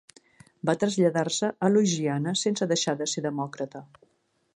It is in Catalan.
Va traslladar-se a Louisiana, sense deixar de ser demòcrata.